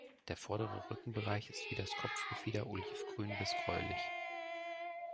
Der vordere Rückenbereich ist wie das Kopfgefieder olivgrün bis gräulich.